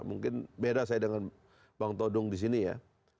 mungkin beda saya dengan bang todong disini ya